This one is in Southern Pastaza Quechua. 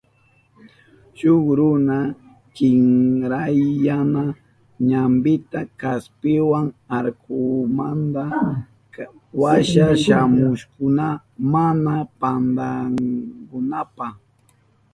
Shuk runa kinkrayana ñampita kaspiwa arkamurka washa shamuhukkuna mana pantanankunapa.